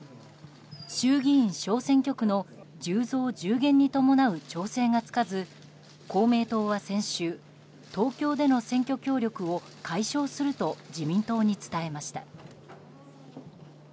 衆議院小選挙区の１０増１０減に伴う調整がつかず公明党は先週東京での選挙協力を解消すると自民党に伝えました。